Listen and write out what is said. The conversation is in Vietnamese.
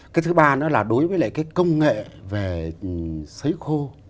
cái thứ ba nữa là đối với lại cái công nghệ về xấy khô